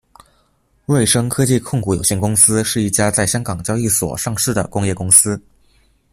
瑞声科技控股有限公司是一家在香港交易所上市的工业公司。